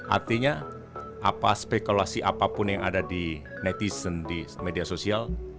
artinya apa spekulasi apapun yang ada di netizen di media sosial